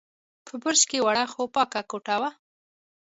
په برج کې وړه، خو پاکه کوټه وه.